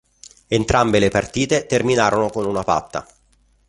Entrambe le partite terminarono con una patta.